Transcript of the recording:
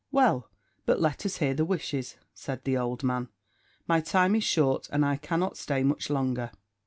"Well, but let us hear the wishes," said the old man; "my time is short, and I cannot stay much longer."